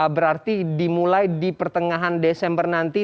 berarti dimulai di pertengahan desember nanti